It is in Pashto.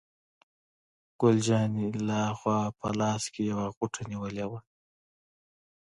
ګل جانې له ها خوا په لاس کې یوه غوټه نیولې وه.